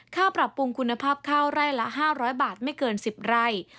ปรับปรุงคุณภาพข้าวไร่ละ๕๐๐บาทไม่เกิน๑๐ไร่